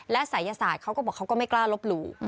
และศัยศาสตร์เขาก็บอกเขาก็ไม่กล้าลบหลู่